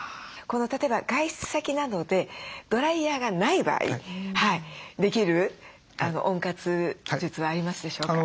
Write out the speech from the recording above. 例えば外出先などでドライヤーがない場合できる温活術はありますでしょうか？